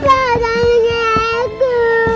papa jangan lewatku